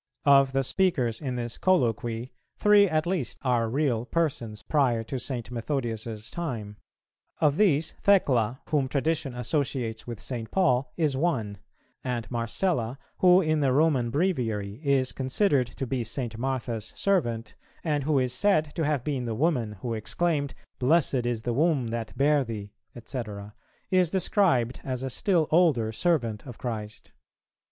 Of the speakers in this Colloquy, three at least are real persons prior to St. Methodius's time; of these Thecla, whom tradition associates with St. Paul, is one, and Marcella, who in the Roman Breviary is considered to be St. Martha's servant, and who is said to have been the woman who exclaimed, "Blessed is the womb that bare Thee," &c., is described as a still older servant of Christ.